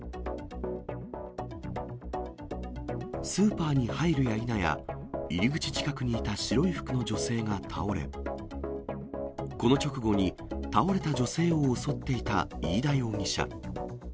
スーパーに入るやいなや、入り口近くにいた白い服の女性が倒れ、この直後に、倒れた女性を襲っていた飯田容疑者。